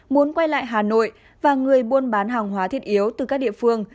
muốn quay lại hà nội và người buôn bán hàng hóa thiết yếu từ các địa phương